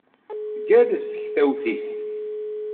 Tgerrez tektawt-is.